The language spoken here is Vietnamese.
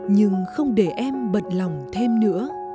nhưng không để em bật lòng thêm nữa